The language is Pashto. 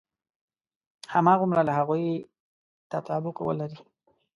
هماغومره له هغوی تطابق ولري.